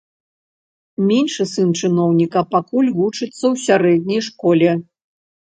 Меншы сын чыноўніка пакуль вучыцца ў сярэдняй школе.